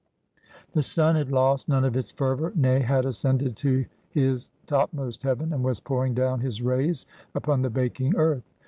The sun had lost none of his fervour — nay, had ascended to his topmost heaven, and was pouring down his rays upon the baking earth.